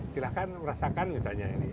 silahkan merasakan misalnya ini